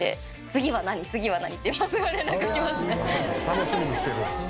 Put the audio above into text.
楽しみにしてる。